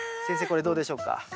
これどうでしょうか？